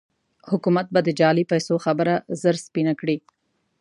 حکومت به د جعلي پيسو خبره ژر سپينه کړي.